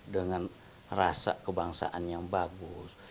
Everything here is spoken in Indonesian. dengan rasa kebangsaan yang bagus